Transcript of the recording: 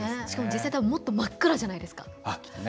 しかも実際もっと真っ暗じゃないですか。